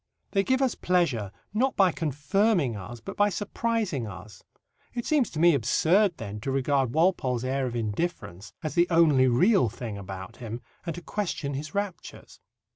They give us pleasure not by confirming us, but by surprising us. It seems to me absurd, then, to regard Walpole's air of indifference as the only real thing about him and to question his raptures.